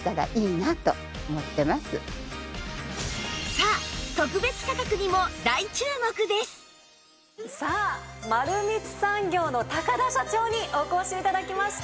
さあさあ丸光産業の田社長にお越し頂きました。